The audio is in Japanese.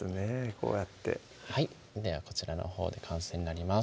こうやってはいではこちらのほうで完成になります